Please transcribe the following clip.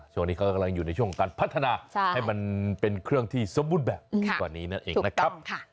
ช่วงนี้เขากำลังอยู่ในช่วงการพัฒนาให้มันเป็นเครื่องที่สมบูรณ์แบบกว่านี้นั่นเองนะครับ